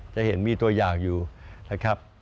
จะเห็นมีตัวอย่างอยู่นะครับ